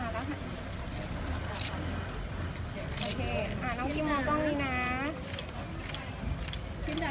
อร่อยมากที่พิมพ์ยาวนะคะ